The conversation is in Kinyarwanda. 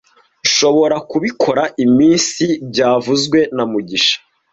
Nshobora kubikora iminsi byavuzwe na mugisha